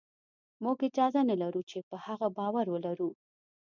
موږ اجازه نه لرو چې په هغه باور ولرو